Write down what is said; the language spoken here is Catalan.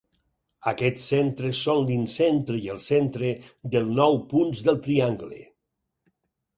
Aquests centres són l'incentre i el centre del nou punts del triangle.